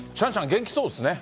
元気そうですね。